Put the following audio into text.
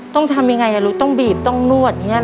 ต้องทำยังไงรู้ต้องบีบต้องนวดอย่างนี้